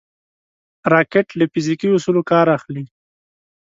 راکټ له فزیکي اصولو کار اخلي